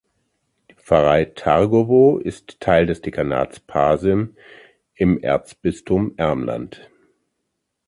Die Pfarrei Targowo ist Teil des Dekanats Pasym im Erzbistum Ermland.